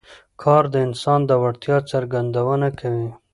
کار د انسان د وړتیاوو څرګندونه کوي